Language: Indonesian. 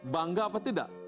bangga atau tidak